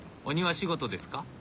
お庭仕事ですか？